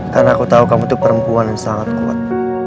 karena aku tahu kamu itu perempuan yang sangat kuat